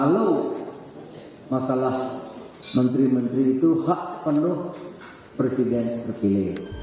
kalau masalah menteri menteri itu hak penuh presiden terpilih